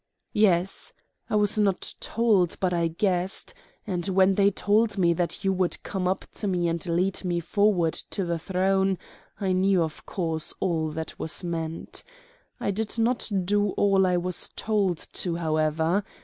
"Yes. I was not told, but I guessed; and when they told me that you would come up to me and lead me forward to the throne, I knew of course all that was meant. I did not do all I was told to do, however.